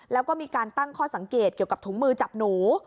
แล้วก็มีการตั้งข้อสังเกตเกี่ยวกับถุงมือจับหนู